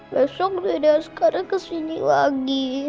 besok dede askara kesini lagi